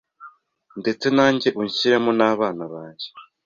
ndetse nanjye unshyiremo n’abana banjye